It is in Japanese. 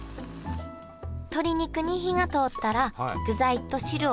鶏肉に火が通ったら具材と汁を分けます